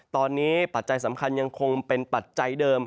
ตอนนี้ปัจจัยสำคัญยังคงเป็นปัจจัยเดิม